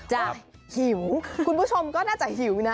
หิวคุณผู้ชมก็น่าจะหิวนะ